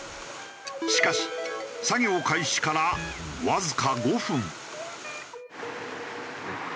しかし作業開始からわずか５分。